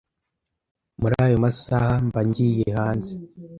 muri ayo masaha mba ngiye hanze